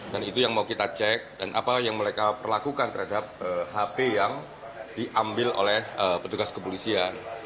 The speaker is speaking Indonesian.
dan itu yang mau kita cek dan apa yang mereka perlakukan terhadap hp yang diambil oleh petugas kepolisian